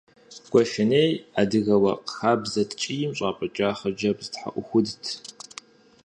Гуащэней адыгэ уэркъ хабзэ ткӀийм щӀапӀыкӀа хъыджэбз тхьэӀухудт.